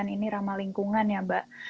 ini ramah lingkungan ya mbak